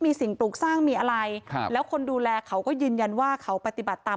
มีสิ่งปลูกสร้างมีอะไรครับแล้วคนดูแลเขาก็ยืนยันว่าเขาปฏิบัติตาม